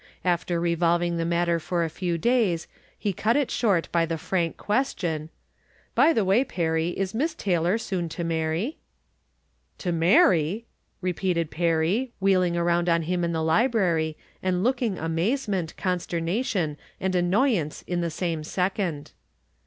After revolving the matter for a few days, he cut it short by the frank question :" By the way. Perry, is Miss Taylor soon to marry ?"" To marry !" repeated Perry, wheeling around on him in the library, and looking amazement, 806 From Different Standpoints. consternation and annoyance in the same second.